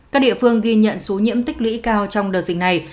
các địa phương ghi nhận số nhiễm tích lũy cao trong đợt dịch này